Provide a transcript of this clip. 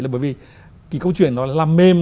là bởi vì cái câu chuyện nó làm mềm